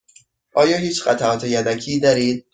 آیا هیچ قطعات یدکی دارید؟